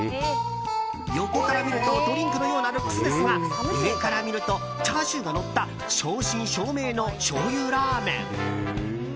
横から見るとドリンクのようなルックスですが上から見るとチャーシューがのった正真正銘のしょうゆラーメン。